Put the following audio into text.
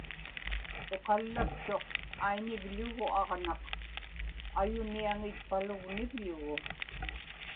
uqallaktuq aiñivḷugu aġnaq ayuniaŋitpalugnivḷugu